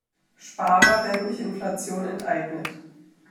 Sparer werden durch Inflation enteignet.